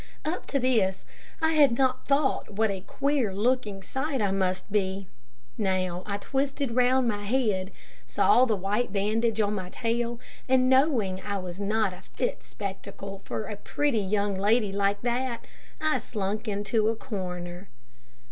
Up to this, I had not thought what a queer looking sight I must be. Now I twisted round my head, saw the white bandage on my tail, and knowing I was not a fit spectacle for a pretty young lady like that, I slunk into a corner.